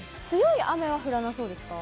強い雨は降らなそうですか？